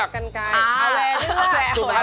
เราจะเลือกกันไก่